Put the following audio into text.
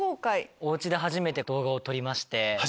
おうちで初めて動画を撮りまして。